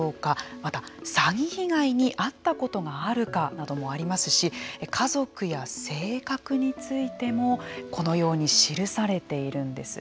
また詐欺被害に遭ったことがあるかなどもありますし家族や性格についてもこのように記されているんです。